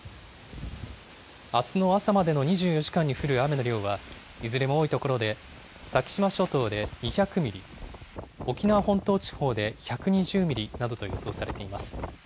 あすの朝までに２４時間に降る雨の量は、いずれも多い所で、先島諸島で２００ミリ、沖縄本島地方で１２０ミリなどと予想されています。